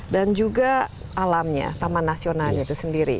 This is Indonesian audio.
dan juga alamnya taman nasionalnya itu sendiri